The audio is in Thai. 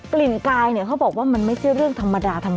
ลิ่นกายเนี่ยเขาบอกว่ามันไม่ใช่เรื่องธรรมดาธรรมดา